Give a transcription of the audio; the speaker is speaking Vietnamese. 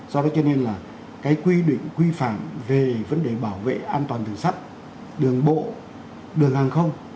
do đó cho nên là cái quy định quy phạm về vấn đề bảo vệ an toàn đường sắt đường bộ đường hàng không